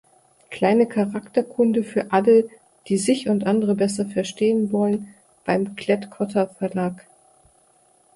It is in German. Kleine Charakterkunde für alle, die sich und andere besser verstehen wollen" beim Klett-Cotta Verlag.